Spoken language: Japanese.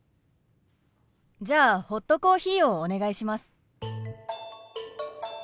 じゃあホットコーヒーをお願いします。